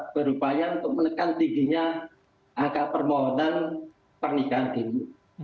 berupaya untuk menekan tingginya angka permohonan pernikahan dini